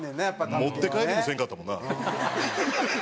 持って帰りもせんかったもんな。